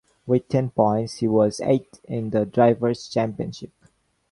With ten points, he was eighth in the Drivers' Championship.